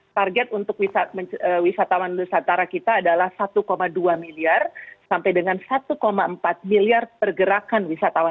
target untuk wisatawan nusantara kita adalah satu dua miliar sampai dengan satu empat miliar pergerakan wisatawan